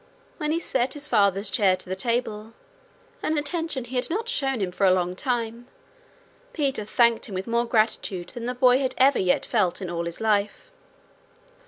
When he set his father's chair to the table, an attention he had not shown him for a long time, Peter thanked him with more gratitude than the boy had ever yet felt in all his life.